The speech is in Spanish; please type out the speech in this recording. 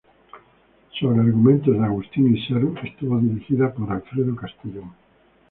Sobre argumentos de Agustín Isern, estuvo dirigida por Alfredo Castellón.